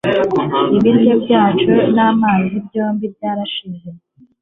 Ibiryo byacu n'amazi byombi byarashize.